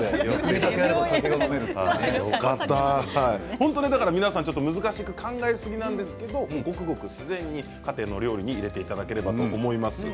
本当に皆さん難しく考えすぎなんですけれどもごく自然に家庭の料理に入れていただければと思います。